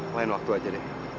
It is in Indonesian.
lain waktu aja deh